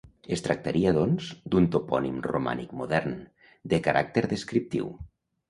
Es tractaria, doncs, d'un topònim romànic modern, de caràcter descriptiu.